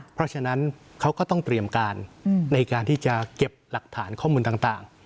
เพราะฉะนั้นเขาก็ต้องเตรียมการในการที่จะเก็บหลักฐานข้อมูลต่าง